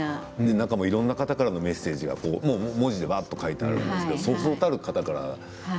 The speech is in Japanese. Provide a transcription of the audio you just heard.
中も、いろいろな方からのメッセージが文字で書いてあるんですけれどもそうそうたる方から。